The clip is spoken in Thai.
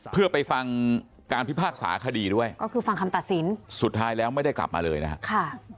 เพื่อไปฟังการพิพากษาคดีด้วยก็คือฟังคำตัดสินสุดท้ายแล้วไม่ได้กลับมาเลยนะครับ